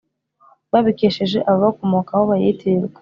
babikesheje ababakomokaho bayitirirwa!